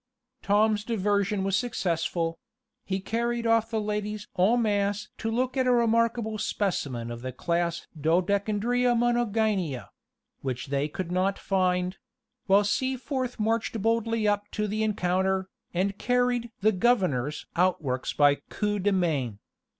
Tom's diversion was successful; he carried off the ladies en masse to look at a remarkable specimen of the class Dodecandria Monogynia which they could not find while Seaforth marched boldly up to the encounter, and carried "the governor's" outworks by a coup de main.